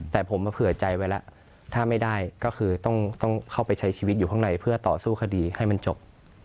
แต่ผมมาเผื่อใจไว้แล้วถ้าไม่ได้ก็คือต้องเข้าไปใช้ชีวิตอยู่ข้างในเพื่อต่อสู้คดีให้มันจบ